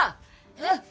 えっ？